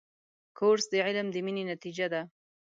کورس د علم د مینې نتیجه ده.